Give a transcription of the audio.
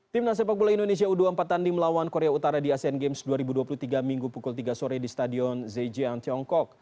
timnas sepak bola indonesia u dua puluh empat tanding melawan korea utara di asean games dua ribu dua puluh tiga minggu pukul tiga sore di stadion zejian tiongkok